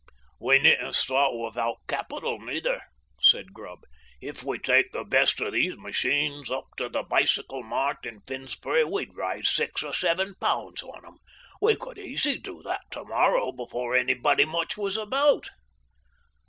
"We needn't start without capital neither," said Grubb. "If we take the best of these machines up to the Bicycle Mart in Finsbury we'd raise six or seven pounds on 'em. We could easy do that to morrow before anybody much was about...."